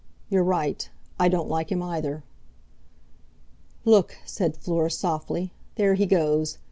"You're right. I don't like him either!" "Look!" said Fleur softly. "There he goes!